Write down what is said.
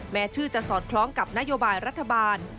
ชื่อจะสอดคล้องกับนโยบายรัฐบาล